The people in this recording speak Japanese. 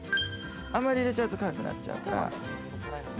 あんまり入れちゃうと辛くなっちゃうから。